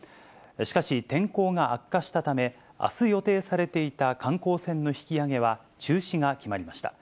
しかし、天候が悪化したため、あす予定されていた観光船の引き揚げは中止が決まりました。